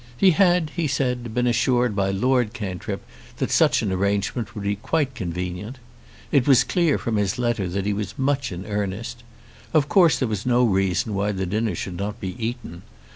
He had, he said, been assured by Lord Cantrip that such an arrangement would be quite convenient. It was clear from his letter that he was much in earnest. Of course there was no reason why the dinner should not be eaten.